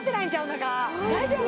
中大丈夫？